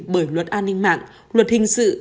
bởi luật an ninh mạng luật hình sự